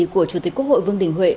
của chủ tịch quốc hội vương đình huệ